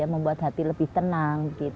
membuat hati lebih tenang